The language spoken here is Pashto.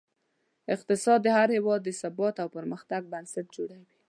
اقتصاد د هر هېواد د ثبات او پرمختګ بنسټ جوړوي.